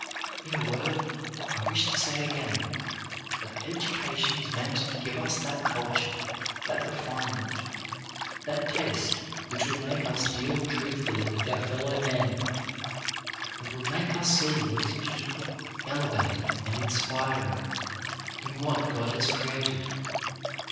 In a word, I wish to say again, that education is meant to give us that culture, that refinement, that taste which will make us deal truthfully with our fellow men, and will make us see what is beau tiful, elevating and inspiring in what God has created.